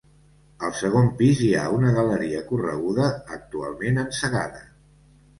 Al segon pis, hi ha una galeria correguda, actualment encegada.